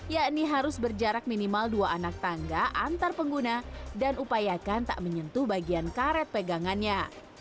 yakni harus berjarak minimal dua anak tangga antar pengguna dan upayakan tak menyentuh bagian karet pegangannya